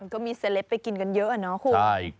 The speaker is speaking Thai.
ก็มีเซลปไปกินกันเยอะอะเนาะคุณ